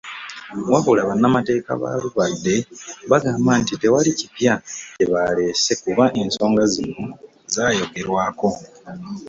Wabula bannamateeka ba lubadde bagamba nti tewali kipya kye baleese kuba ensoga zino zaayogerwako